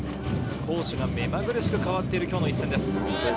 攻守が目まぐるしく変わっていく今日の一戦です。